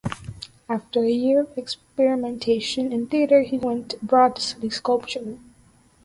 After a year of experimentation in theatre, he went abroad to study sculpture.